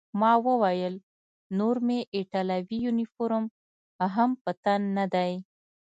ما وویل: نور مې ایټالوي یونیفورم هم په تن نه دی.